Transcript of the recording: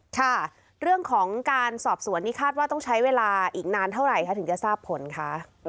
ค่ะเรื่องของการสอบสวนนี้คาดว่าต้องใช้เวลาอีกนานเท่าไหร่คะถึงจะทราบผลคะ